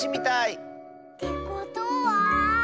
ってことは。